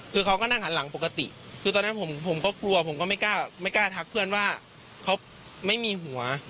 คือเขาก็นั่งหันหลังปกติคือตอนนั้นผมก็กลัวผมก็ไม่กล้าทักเพื่อนว่าเขาไม่มีหัว